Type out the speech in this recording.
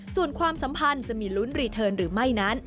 ส่วนความสัมพันธ์จะมีลุ้นรีเทิร์นหรือไม่นั้น